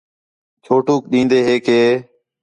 چھوٹوک ݙین٘دے ہے کہ